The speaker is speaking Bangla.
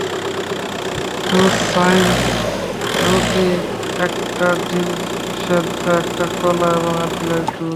দু স্লাইস রুটি, একটা ডিমসেদ্ধ, একটা কলা এবং আধগ্লাস দুধ।